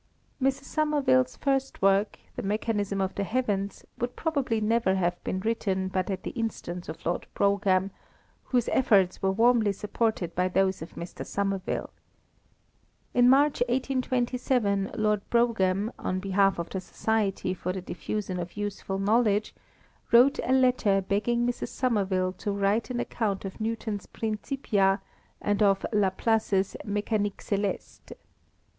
Mrs. Somerville's first work, The Mechanism of the Heavens, would probably never have been written but at the instance of Lord Brougham, whose efforts were warmly supported by those of Mr. Somerville. In March 1827 Lord Brougham, on behalf of the Society for the Diffusion of Useful Knowledge, wrote a letter begging Mrs. Somerville to write an account of Newton's Principia and of La Place's Mécanique Céleste.